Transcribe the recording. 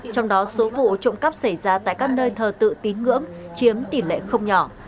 trong đó số vụ trộm cắp xảy ra tại các nơi thờ tự tín ngưỡng chiếm tỷ lệ không nhỏ